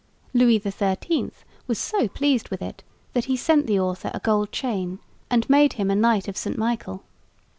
Louis XIII was so pleased with it that he sent the author a gold chain and made him a Knight of St Michael.